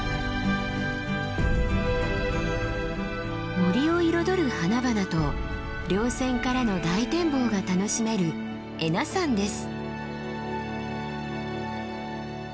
森を彩る花々と稜線からの大展望が楽しめる恵那山です。